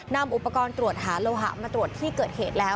นำอุปกรณ์ตรวจหาโลหะมาตรวจที่เกิดเหตุแล้ว